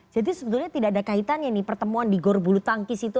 jadi sebetulnya tidak ada kaitannya nih pertemuan di gorbulu tangkis itu